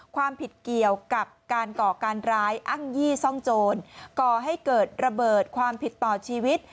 ความผิดเกี่ยวกับการก่อการร้ายอ้างยี่ซ่องโจรก่อให้เกิดระเบิดความผิดต่อชีวิต